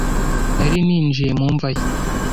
nari ninjiye mu mva ye